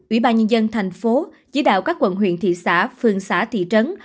ủy ban nhân dân thành phố chỉ đạo các quận huyện thị xã phường xã thị trấn